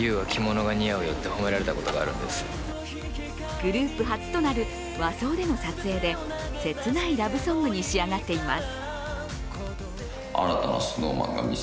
グループ初となる和装での撮影で切ないラブソングに仕上がっています。